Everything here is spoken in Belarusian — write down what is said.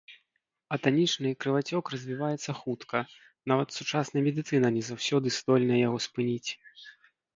Атанічны крывацёк развіваецца хутка, нават сучасная медыцына не заўсёды здольная яго спыніць.